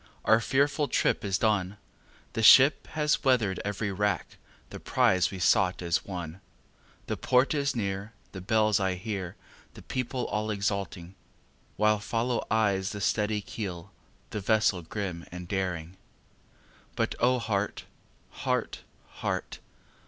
our fearful trip is done, The ship has weather'd every rack, the prize we sought is won, The port is near, the bells I hear, the people all exulting, While follow eyes the steady keel, the vessel grim and daring; But O heart! heart! heart!